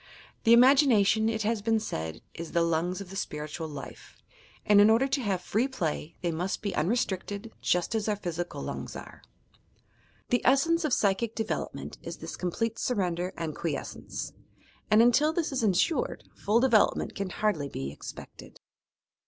"The imagi nation" it has been said "is the lungs of the spiritual life," and in order to have free play, they must be unrestricted, just as our physical lungs are. The essence of psychie development is this complete surrender and quiescence, and until this is insured, full development can hardly be expected.